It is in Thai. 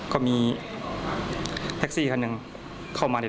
ก็มีแท็กซี่คันหนึ่งเข้ามาใน